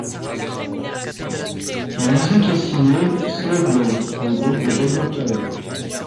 La musique est signée Slowblow, le groupe de Dagur Kári.